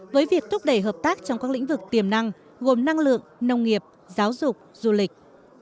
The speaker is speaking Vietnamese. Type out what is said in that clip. với việc thúc đẩy hợp tác trong các lĩnh vực tiềm năng gồm năng lượng nông nghiệp giáo dục du lịch